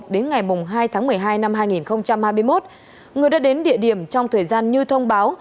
đến ngày hai tháng một mươi hai năm hai nghìn hai mươi một người đã đến địa điểm trong thời gian như thông báo